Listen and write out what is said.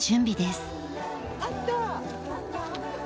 あった！